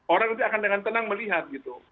orang nanti akan dengan tenang melihat gitu